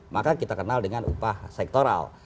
maka kita kenal dengan upah sektoral